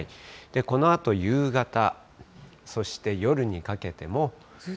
このあと夕方、そして夜にかけても。